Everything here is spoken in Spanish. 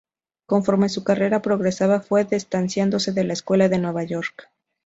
Conforme su carrera progresaba, fue distanciándose de la Escuela de Nueva York.